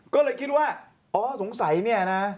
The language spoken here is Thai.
ก็เลยคิดว่าอ๋อสงสัยเนี่ยนะ